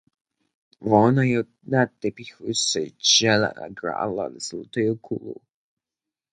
Wóna jo na tepichu sejźeła a grała ze złoteju kulu.